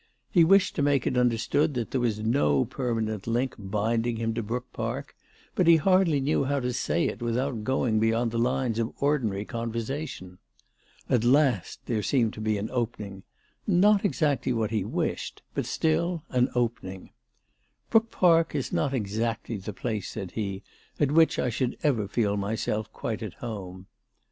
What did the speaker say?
He wished to make it understood that there was no permanent link binding him to Brook Park, but he hardly knew how to say it without going beyond the lines of ordinary conversation. At last there seemed to be an opening, not exactly what he wished, but still an opening. "Brook Park is not exactly the place," said he, "at which I should ever feel myself quite at home."